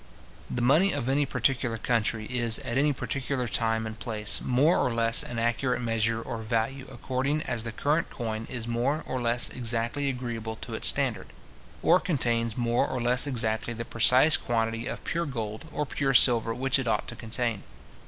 The money of any particular country is, at any particular time and place, more or less an accurate measure or value, according as the current coin is more or less exactly agreeable to its standard, or contains more or less exactly the precise quantity of pure gold or pure silver which it ought to contain.